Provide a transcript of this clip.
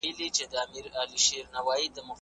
موږ باید یو بل ته د ابدي وفادارۍ لاسونه ورکړو.